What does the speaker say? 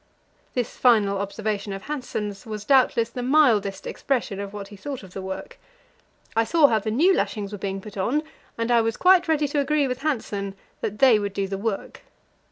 This final observation of Hanssen's was doubtless the mildest expression of what he thought of the work. I saw how the new lashings were being put on, and I was quite ready to agree with Hanssen that they would do the work.